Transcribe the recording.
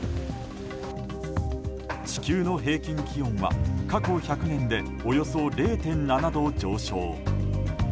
地球の平均気温は過去１００年でおよそ０．７度上昇。